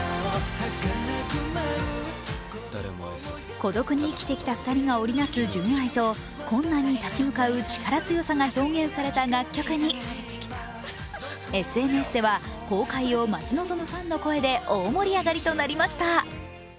孤独に生きてきた２人が織り成す純愛と困難に立ち向かう力強さが表現された楽曲に、ＳＮＳでは公開を待ち望むファンの声で大盛り上がりとなりました。